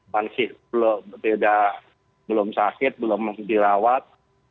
masih belum sakit belum dirawat